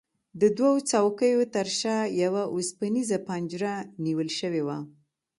د دوو څوکیو ترشا یوه اوسپنیزه پنجره نیول شوې وه.